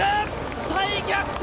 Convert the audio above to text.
再逆転！